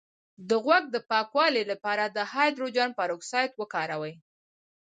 د غوږ د پاکوالي لپاره د هایدروجن پر اکسایډ وکاروئ